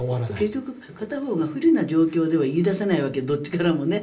結局片方が不利な状況では言い出せないわけでどっちからもね。